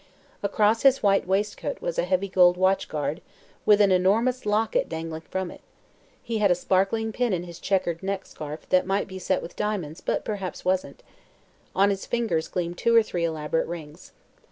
Across his white waistcoat was a heavy gold watch guard with an enormous locket dangling from it; he had a sparkling pin in his checkered neck scarf that might be set with diamonds but perhaps wasn't; on his fingers gleamed two or three elaborate rings.